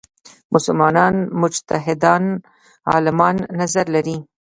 مسلمان مجتهدان عالمان نظر لري.